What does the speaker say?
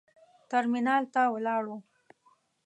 ترمینال ته ولاړو.